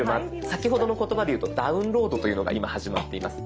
先ほどの言葉でいうとダウンロードというのが今始まっています。